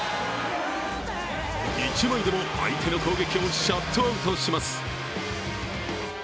一枚でも相手の攻撃をシャットアウトします。